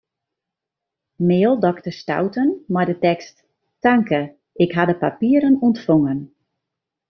Mail dokter Stouten mei de tekst: Tanke, ik ha de papieren ûntfongen.